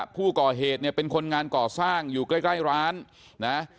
ผู้ก่อเหตุเนี่ยเป็นคนงานก่อสร้างอยู่ใกล้ร้านนะ